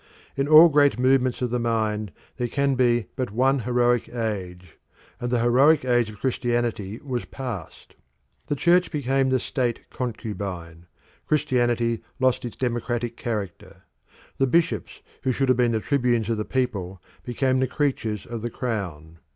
In all great movements of the mind there can be but one heroic age, and the heroic age of Christianity was past. The Church became the state concubine; Christianity lost its democratic character. The bishops who should have been the tribunes of the people became the creatures of the Crown.